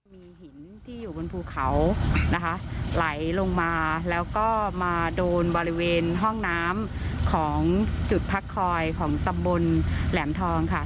มีหินที่อยู่บนภูเขานะคะไหลลงมาแล้วก็มาโดนบริเวณห้องน้ำของจุดพักคอยของตำบลแหลมทองค่ะ